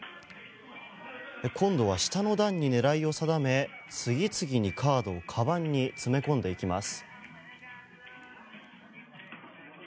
今度は下の段に狙いを定め次々にカードをかばんに詰め込んでいきます。